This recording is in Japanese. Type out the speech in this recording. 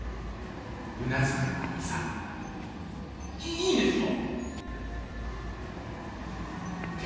いいいんですか？